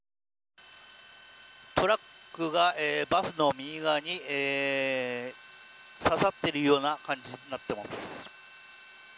トラックがバスの右側に刺さっているような感じになっています。